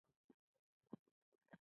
د کمپنۍ مدیره هیات وینسیټارټ ته وویل.